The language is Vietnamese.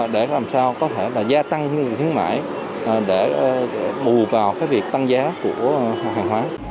để làm sao có thể gia tăng những chương trình khuyến mãi để bù vào việc tăng giá của hàng hoá